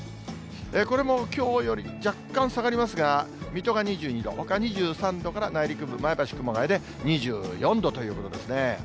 これもきょうより若干下がりますが、水戸が２２度、ほか２３度から内陸部、前橋、熊谷で２４度ということですね。